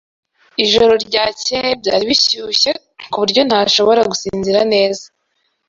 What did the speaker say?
Ijoro ryakeye byari bishyushye kuburyo ntashobora gusinzira neza.